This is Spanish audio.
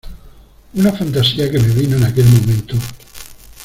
una fantasía que me vino en aquel momento.